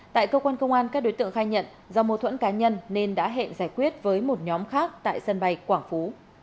tại cơ quan công an các đối tượng khai nhận do mâu thuẫn cá nhân nên đã hẹn giải quyết với một nhóm khác tại sân bay quảng phú